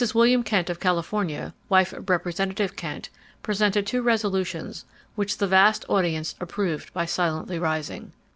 William Kent of California, wife of Representative Kent, presented two resolutions which the vast audience approved by silently rising.